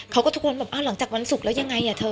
เขาก็ทุกคนบอกอ้าวหลังจากวันสุขแล้วยังไงอ่ะเธอ